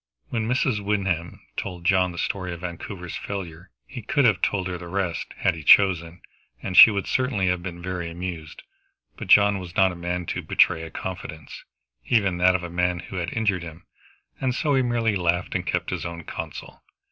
When Mrs. Wyndham told John the story of Vancouver's failure he could have told her the rest, had he chosen, and she would certainly have been very much amused. But John was not a man to betray a confidence, even that of a man who had injured him, and so he merely laughed and kept his own counsel.